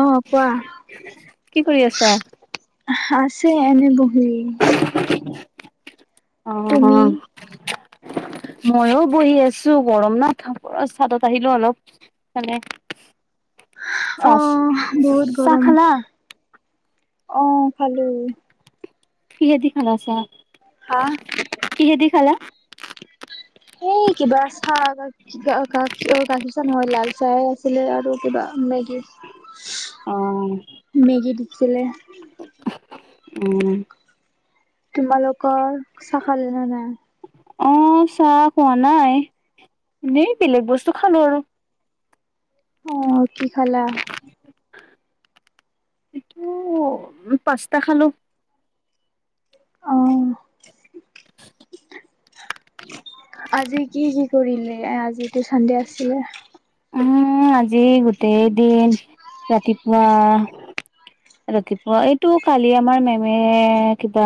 অ' কোৱা? কি কৰি আছা? আছো এনে বহি। অ, তুমি অ'। ময়ো বহি আছো গৰম না চাদত আহিলো অলপ মানে। [inaudible] অ চাহ, বহুত চাহ গৰম খালা? অ, খালো। কিহেদি খাল চাহ? হা? কিহেদি খালা? এই কিবা চাহা গাখীৰ চাহ নহয় লাল চাহ আছিলে আৰু কিবা। অ', মেগী-মেগী দিছিলে। উম। তোমালোকৰ চাহ খালে নে নাই? অহ, চাহ খোৱা নাই, এনেই বেলেগ বস্তু খালো আৰু। অহ, কি খালা? এইটো পাস্তা খালো। অ, আজি কি কৰিলে, আজিতো চানডে আছিলে। উম, আজি গোটেইদিন ৰাতিপুৱা ৰাতিপুৱা এইটো কালি আমাৰ মেমে কিবা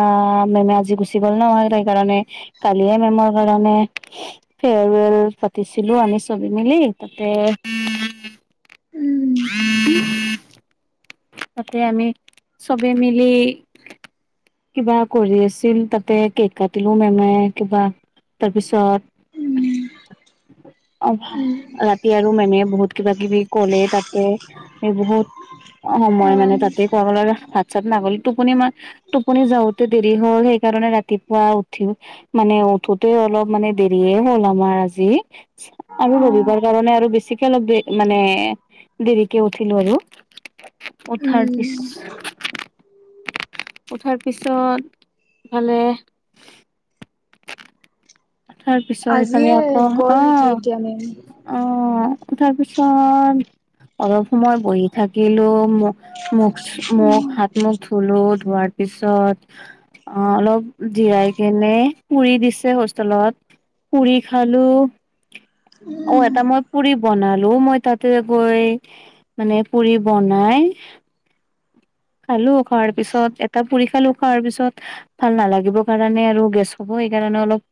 মেমে আজি গুচি গ'ল নহয়। সেইকাৰণে কালিয়ে মেমৰ কাৰণে ফেয়াৰৱেল পাতিছিলোঁ আমি চবে মিলি। তাতে উম তাতে আমি চবে মিলি কিবা কৰি আছিল, তাতে কেক কাটিলো মেমে কিবা, তাৰ পিছত? অ, ৰাতি আৰু মেমে বহুত কিবা কিবি কলে, তাতে বহুত অ সময় মানে তাতে কৰ হাত চাত নাগল টোপনি মই, টোপনি যাওঁতে দেৰি হল, সেইকাৰণে ৰাতিপুৱা উঠি মানে, উঠোতে অলপ মানে দেৰিয়ে হ'ল আমাৰ আজি আৰু অ ৰবিবাৰ কাৰণে আৰু বেছিকে অলপ দে, মানে দেৰিকে উঠিলো আৰু। উঠাৰ পিছ উম উঠাৰ পিছত ফালে তাৰ পিছত ইফালে আজিয়ে আকৌ, গ'ল নেকি এতিয়া মেম অ'-অ' অ' তাৰপিছত অলপ সময় বহি থাকিলো, মুখ মখ উম হাত মুখ ধুলো, ধোৱাৰ পিছত অ', অলপ জিৰাই কেনে পুৰি দিছে হোষ তলত পুৰি খালো অ' উম। এটা মই পুৰি বনালো, মই তাতে গৈ মানে পুৰি বনাই [inaudible] খালো, খোৱাৰ পিছত এটা পুৰি খালো, খোৱাৰ পিছত ভাল নালাগিব কাৰণে আৰু গেছ হ'ব সেইকাৰণে অলপ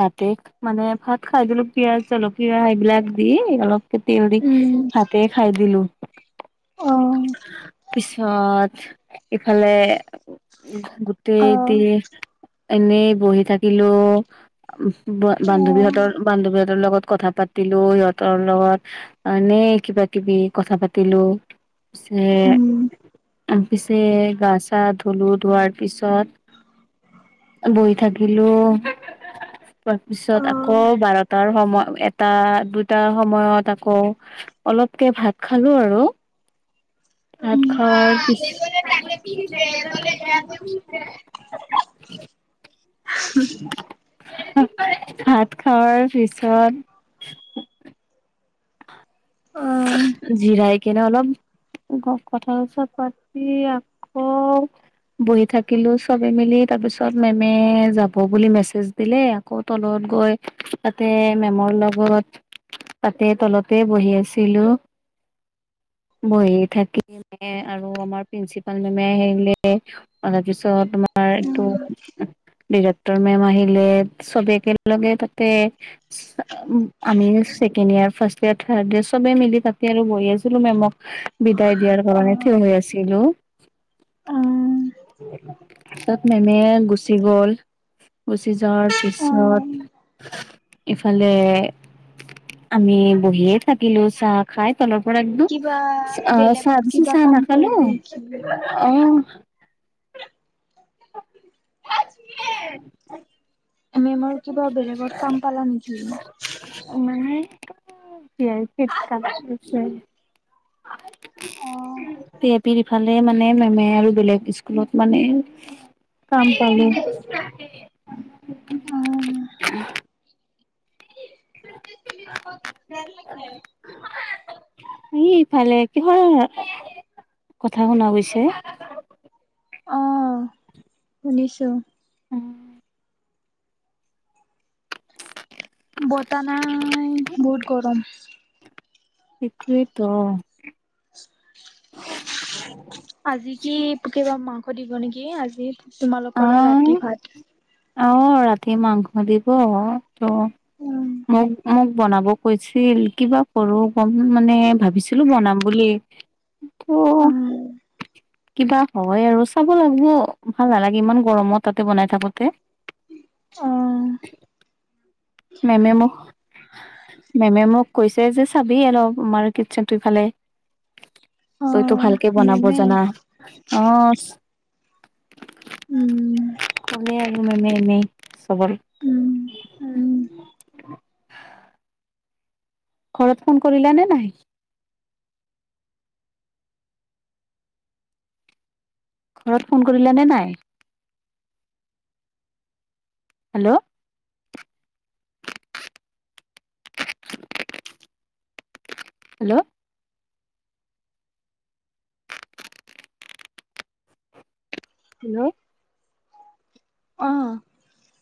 ভাতে মানে, ভাত খাই দিলো পিয়াজ জলকীয়া এইবিলাক দি, অলপ কেতি উৰি উম হাতে খাই দিলো, অ পিছত ইফালে গোটেই অ দি এনেই বহি থাকিলো অ বান্ধৱীহঁতৰ বান্ধৱীহঁতৰ লগত কথা পাতিলো সিহতৰ লগতনে এ' কিবা কিবি কথা পাতিলো, এ উম পিছে গা-চা ধুলো, ধোৱাৰ পিছত বহি থাকিলো। তাৰপিছত অ আকৌ বাৰটাৰ সময়, এটা দুটাাৰ সময়ত আকৌ অলপকে ভাত খালো আৰু, ভাত খোৱাৰ [unintelligible] ভাত খোৱাৰ পিছত [inaudible] অ জৰাই কেনে অলপ কঠা চতা পাতি আকৌ বহি থাকিলো চবে মিলি, তাৰ পিছত মেমে যাব বুলি মেছেজ দিলে, আকৌ তলত গৈ তাতে মেমৰ লগত তাতে, তলতে বহি আছে তিলো বহি থাকি ম [unintelligible] আৰু আমাৰ প্ৰিন্ঞ্চিপাল মেমে আহিলে অলপ পিছত তোমাৰ এইটো ডিৰেক্টৰ মেম আহিলে, চবে একগে তাতে, আমি second year, first year, third year চবে মিলি পাতি আৰু বহি আছিলো মেমক বিদায় দিয়াৰ কাৰণে, থিয় হৈ আছিলো। অ তাত মেমে গুচি গল গুচি যোৱাৰ অ পিছত, ইফালে আমি বহিয়ে থাকো কিলো চাহ খাই তলৰ পৰা কিবা একদম চাহ বেলেগত দিছো কিবা চাহ কাম না খালো কৰিব নেকি? অ'। উ [inaudible] আমিমাৰ কিবা বেলেগত কাম পালা নেকি? [unintelligible] াই ক অ সেয়পি ফালে মানে মেমে আৰু বেলেগ স্কুলত মানে কাম পা ইফালে কিহৰ কথা শুনা গৈছে অ' শুনিছো। উম, বতাহ নাই বহুত গৰম। সেইটোৱেইেতো। [inaudible] উ [inaudible] আজি কি কিবা মাংস দিব নেকি আজি তোমালোকৰ ৰাতি ভাত অহ ৰাতি মাংস দিব ত উম মোক মোক মানে বনাব কৈছিল কিবা কৰো গম মানে ভাবিছিলো বনাম বুলি। অ ত কিবা হয় আৰু চাব লাগিব ভাল নালাগে। ইমান গৰমত তাতে বনাই থাকোতে, অহ, মেমে মখ মেমে মোক কৈছে যে চাবি অলপ আমাৰ কিটচেনটো ইফালে অ তইতো ভালকে বনাব জানা মেমে অ', উম কমে আমি মানে চবৰ, উম উম [inaudible] ঘৰতৰত ফোন কৰিলা নে নাই। ঘৰত ফোন কৰিলে নে নাই? হেল্ল' হেল্ল' হেল্ল', অহ,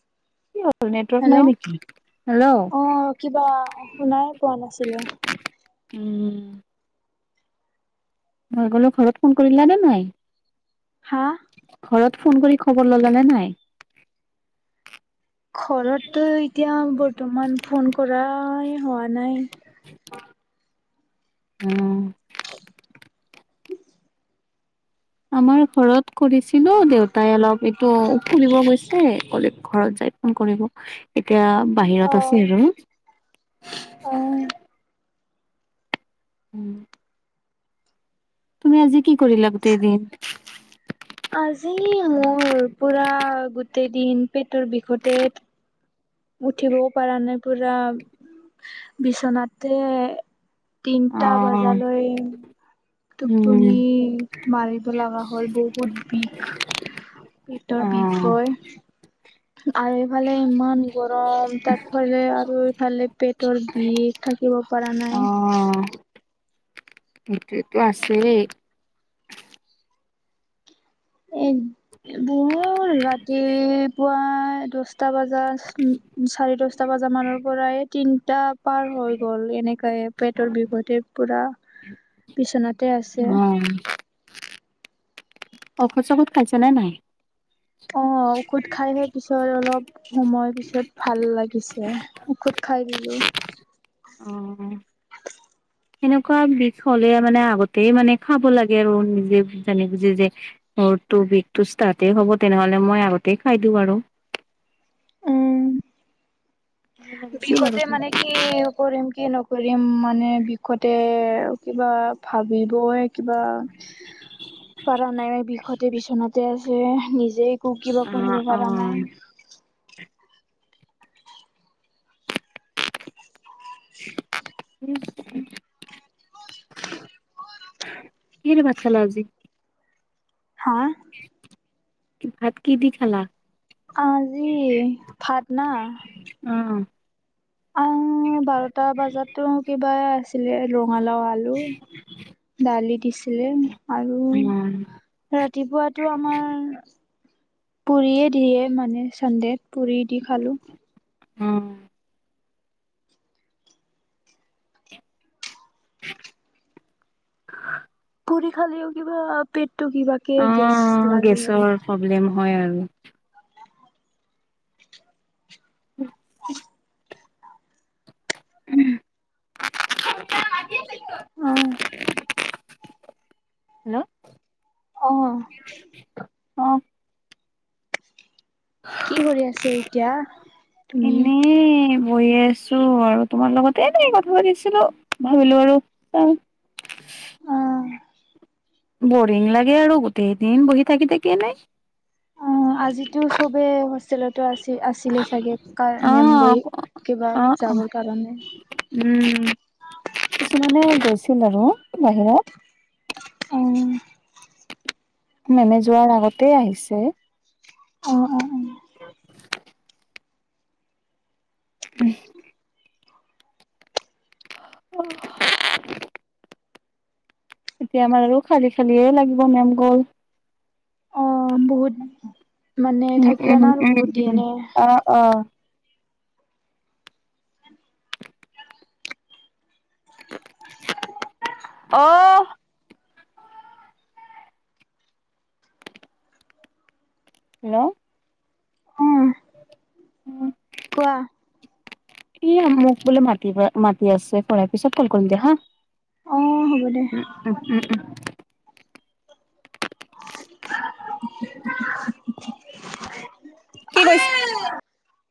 উ [inaudible] অ কিবা নেটৱৰ্ক শুনাই পোৱা নেকি নাছিলো। হেল্ল', উম, মই গলো ঘৰত ফোন কৰিলা নে নাই? হা ঘৰত ফোন কৰি খবৰ ললে নে নাই ঘৰতো এতিয়া বৰ্তমান ফোন কৰাই হোৱা নাই উম [inaudible] আমাৰ ঘৰত কৰিছিলো দেউতাই অলপ এইটো উখুৰিব গৈছে। কলে ঘৰত যাই ফোন কৰিব এতিয়া বাহিৰত আছে অ' আৰু ন। অ', [inaudible] উম। তুমি আজি কি কৰিলা গোটেই দিন। আজি মোৰ পুৰা গোটেই দিন পেটৰ বিষতে। উঠিবও পৰা নাই পুৰা বিচনাতে। তিনটা অ' বজালৈ। টোপনি উম। মাৰিব লগা হ'ল বহুত বিষ। পেটৰ অ' বিষয় আৰু এইফালে ইমান। গৰম তাত ফলে আৰু ইফালে পেটৰ বিষ থাকিব পৰা নাই। সেইটোতো আছেই। এ মোৰ ৰাতি পুৱাই দহটা। আাতটা বজা চাৰে দশটা বজা মানৰ পৰা তিনিটা। পাৰ হৈ গ'ল এনেকাই পেটৰ বিহুতে পুৰা বিচনাত। অঁ। ঔষধ সৌষদ খাইছা নে নাই? অ ঔষধ খাইহে পিছত অলপ। সময় পিছত ভাল লাগিছে ঔষধ খাই দিলো। অঁ, অঁ। সেনেকুৱা বিষ হ'লে মানে আগতে মানে খাব লাগে আৰু নিজে জানি বুজি যে। ঘৰটো বিশ টো ষ্টাৰ্ট এ হ'ব তেনেহলে মই আগতে খাই দিওঁ আৰু। উম লাগিছিল বিষতে আগতে। মানে কি কৰিম কি নকৰিম মানে বিষতে। আৰু কিবা ভাবিবই কিবা। কৰা নাই বিষতে বিচনাতে আছে নিজ। যে ক কিবা পঢ়িব অ', পাৰা অ', নাই। উম। কিহে দি ভাত খালা আজি? হয়। ভাত কি দি খালা? আজি ভাত ন? অ', আহ বাৰটা বজাতো কিবা আছিলে ৰঙালাও আলু। দালি দিছিলে আৰু। অ', ৰাতিপুৱাটো আমাৰ। পুৰিয়ে দিয়ে মানে চান্দেত পুৰি দি খালোঁ। অ। [inaudible] পুৰি খালেও কিবা পেটটো কিবা কে গেছ অ', লাগে গেছৰ আৰু। প্ৰব্লেম হয় আৰু। [inaudible] আছিল। অ', হেল্ল'। অঁ। অ'। কি কৰি আছে এতিয়া তুমি? বৈয়ে আছো আৰু তোমাৰ লগতে এনে কথা পাতিছিলো ভাবিলো আৰু চ উ অ', বৰিং লাগে আৰু গোটেইদিন বহি থাকি থাকি এনে অ আজিতো চবে হোষ্টেলতো আছিল আছিলে চাগে ক মেম অ', গৰি কিবাৰ অ', যাবৰ কাৰণে উম, কিছুমানে গৈছিল আৰু বাহিৰত অ মেমে যোৱাৰ আগতে আহিছে অ অ অ উম অ এতিয়া আমাৰ আৰু খালি খালিয়ে লাগিব মেম গ'ল অ বহুত মানে উম থাকিলা উম না আৰু উম বহুত উম দিনে অ অ' ওহ হেল্ল' অ কোৱা কি ও মোক বোলে মাত কিবা মাটি আছে পঢ়াৰ পিছত কল কৰিম দে হা অ', হ'ব দে। উ উ উম উ কি কৈছে